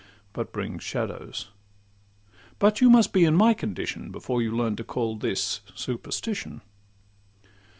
but brings Shadows;—but you must be in my condition Before you learn to call this superstition.